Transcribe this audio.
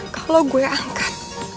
kalau gue angkat